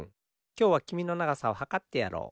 きょうはきみのながさをはかってやろう。